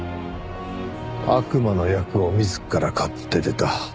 悪魔の役を自ら買って出た。